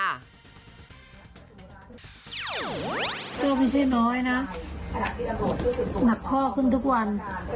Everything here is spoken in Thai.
ก็ไม่ใช่น้อยนะหนักข้อขึ้นทุกวัน